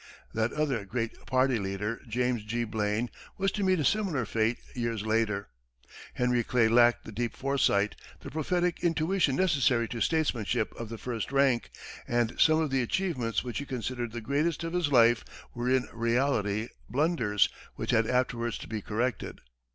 That other great party leader, James G. Blaine, was to meet a similar fate years later. Henry Clay lacked the deep foresight, the prophetic intuition necessary to statesmanship of the first rank, and some of the achievements which he considered the greatest of his life were in reality blunders which had afterwards to be corrected.